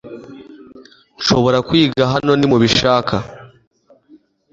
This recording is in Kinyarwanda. Nshobora kwiga hano nimubishaka